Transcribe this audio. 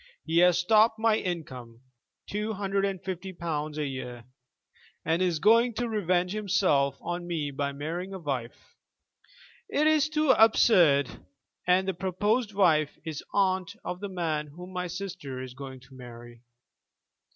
He has stopped my income, two hundred and fifty pounds a year, and is going to revenge himself on me by marrying a wife. It is too absurd, and the proposed wife is aunt of the man whom my sister is going to marry.